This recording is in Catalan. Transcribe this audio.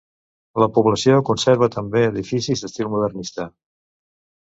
La població conserva també edificis d'estil modernista.